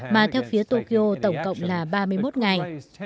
mà theo phía tokyo tổng cộng là ba mươi một ngày